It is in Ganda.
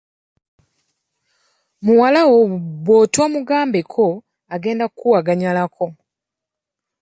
Muwala wo bw'otoomugambeko, agenda kkuwaganyalako.